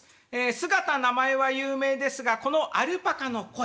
姿名前は有名ですがこのアルパカの声